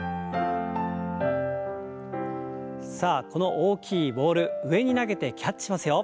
さあこの大きいボール上に投げてキャッチしますよ。